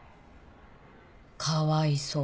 「かわいそう」